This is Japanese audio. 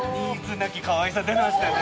なきかわいさ出ましたね。